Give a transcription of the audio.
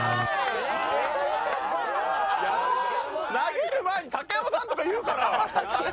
投げる前に竹山さんとか言うから。